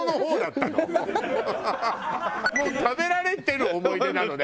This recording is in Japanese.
もう食べられてる思い出なのね？